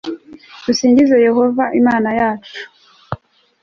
Dusingize Yehova Imana yacu